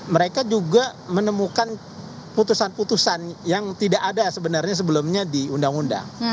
mereka juga menemukan putusan putusan yang tidak ada sebenarnya sebelumnya di undang undang